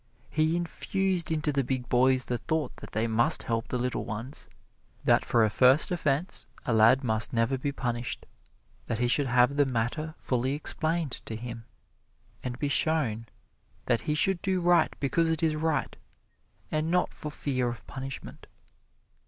He infused into the big boys the thought that they must help the little ones; that for a first offense a lad must never be punished; that he should have the matter fully explained to him, and be shown that he should do right because it is right, and not for fear of punishment.